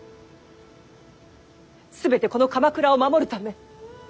全てこの鎌倉を守るため。